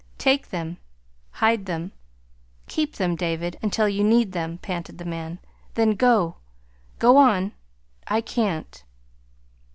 "Take them hide them keep them. David, until you need them," panted the man. "Then go go on. I can't."